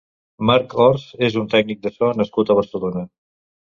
Marc Orts és un tècnic de so nascut a Barcelona.